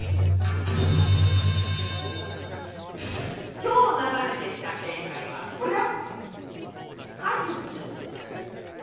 今日ながれてきた正解はこれだよ。